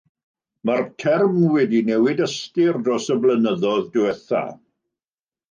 Mae'r term wedi newid ystyr dros y blynyddoedd diwethaf.